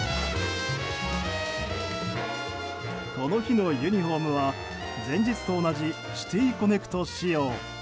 この日のユニホームは前日と同じシティ・コネクト仕様。